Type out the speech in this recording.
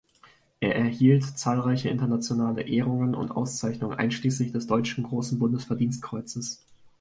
Er erhielt zahlreiche internationale Ehrungen und Auszeichnungen, einschließlich des deutschen Großen Bundesverdienstkreuzes.